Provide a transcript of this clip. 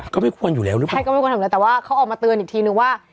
ก็ไม่ควรอยู่แล้วหรือเปล่าใช่ก็ไม่ควรทำแล้วแต่ว่าเขาออกมาเตือนอีกทีนึงว่า